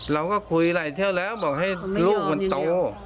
เราก็คุยหลายเที่ยวแล้วบอกให้ลูกมันโต